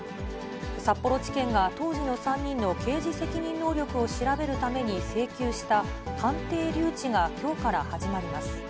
札幌地検が当時の３人の刑事責任能力を調べるために請求した鑑定留置がきょうから始まります。